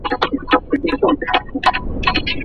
اوږدمهاله حافظه د تیرو تجربو زېرمه ده.